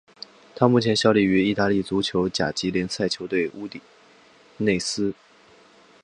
他目前效力于意大利足球甲级联赛球队乌迪内斯。